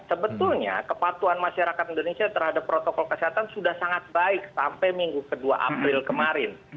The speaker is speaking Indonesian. sebetulnya kepatuhan masyarakat indonesia terhadap protokol kesehatan sudah sangat baik sampai minggu ke dua april kemarin